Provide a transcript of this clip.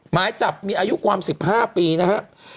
หมายจับมีอายุความ๑๕ปีนะครับ